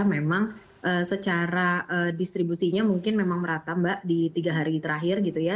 memang secara distribusinya mungkin memang merata mbak di tiga hari terakhir gitu ya